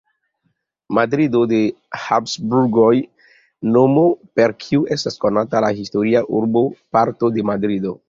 Madrido de la Habsburgoj, nomo per kiu estas konata la historia urboparto de Madrido.